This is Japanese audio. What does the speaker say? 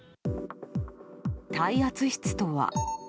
耐圧室とは。